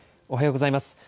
おはようございます。